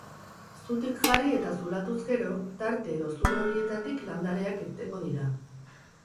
Zutik jarri eta zulatuz gero, tarte edo zulo horietatik landareak irtengo dira.